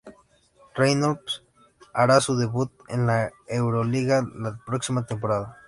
Reynolds hará su debut en la Euroliga la próxima temporada.